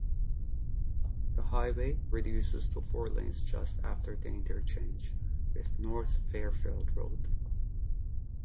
The highway reduces to four lanes just after the interchange with North Fairfield Road.